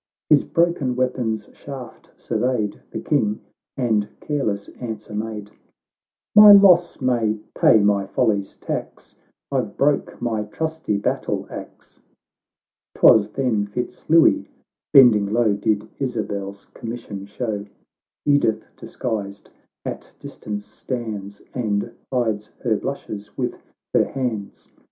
His broken weapon's shaft surveyed The King, and careless answer made,— " My loss may pay my folly's tax ; I've broke my trusty battle axe." — JTwas then Fitz Louis, bending low, Did Isabel's commission show ; Edith, disguised, at distance stands, And hides her blushes with her hands.